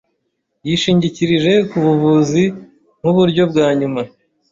Yishingikirije ku buvuzi nk'uburyo bwa nyuma.